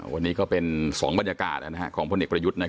วันนี้ก็เป็น๒บรรยากาศของพลเอกประยุทธ์